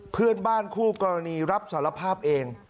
เพื่อนบ้านคู่กรณีรับสารภาพเอง